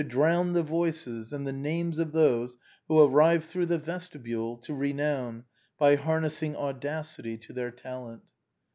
drown the voices and the names of those who arrive through the vestibule to renown by harnessing audacity to their talent.